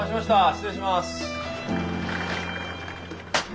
失礼します。